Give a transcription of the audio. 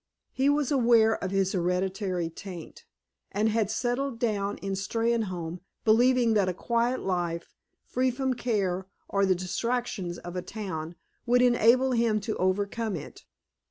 He was aware of his hereditary taint, and had settled down in Steynholme believing that a quiet life, free from care or the distractions of a town, would enable him to overcome it.